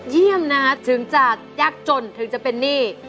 เยี่ยมนะคะถึงจะยากจนถึงจะเป็นหนี้